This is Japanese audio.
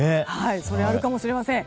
それ、あるかもしれません。